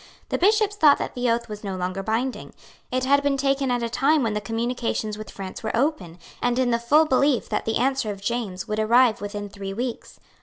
The Bishops thought that the oath was no longer binding. It had been taken at a time when the communications with France were open, and in the full belief that the answer of James would arrive within three weeks.